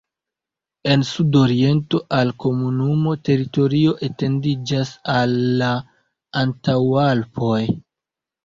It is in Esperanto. En sudoriento al komunuma teritorio etendiĝas al la Antaŭalpoj.